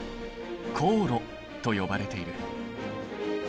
高炉と呼ばれている。